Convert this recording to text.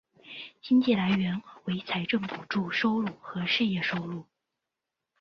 经费来源为财政补助收入和事业收入。